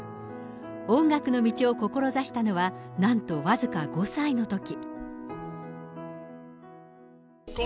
音楽の道を志したのはなんと僅か５歳のとき。